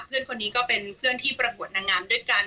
เพื่อนคนนี้ก็เป็นเพื่อนที่ประกวดนางงามด้วยกัน